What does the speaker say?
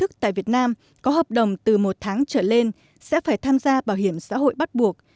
tại việt nam có hợp đồng từ một tháng trở lên sẽ phải tham gia bảo hiểm xã hội bắt buộc